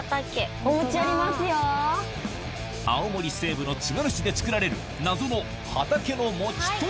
青森西部のつがる市で作られる謎の畑のもちとは？